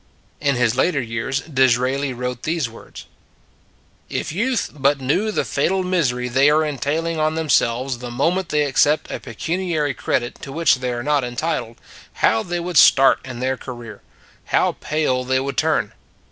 In his later years Disraeli wrote these words: If youth but knew the fatal misery they are entailing on themselves the mo ment they accept a pecuniary credit to which they are not entitled, how they would start in their career! How pale they would turn